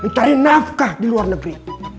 mencari nafkah di luar negeri